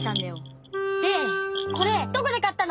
でこれどこでかったの！